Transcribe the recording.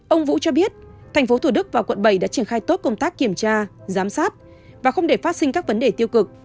ông vũ cho biết tp thủ đức và quận bảy đã triển khai tốt công tác kiểm tra giám sát và không để phát sinh các vấn đề tiêu cực